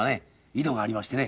井戸がありましてね